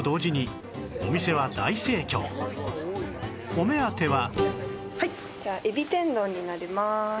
お目当ては